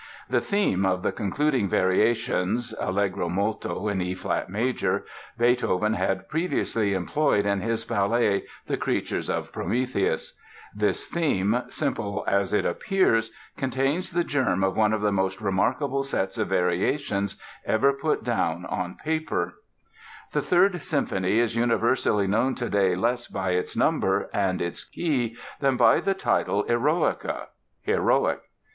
The theme of the concluding variations ("Allegro molto" in E flat major) Beethoven had previously employed in his ballet, The Creatures of Prometheus. This theme, simple as it appears, contains the germ of one of the most remarkable sets of variations ever put down on paper. [Illustration: play music] The Third Symphony is universally known today less by its number and its key than by the title "Eroica" ("Heroic").